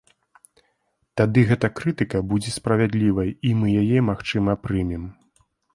Тады гэта крытыка будзе справядлівай і мы яе, магчыма, прымем.